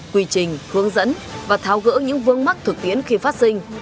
quy trình hướng dẫn và tháo gỡ những vương mắc thực tiễn khi phát sinh